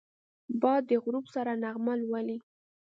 باد د غروب سره نغمه لولي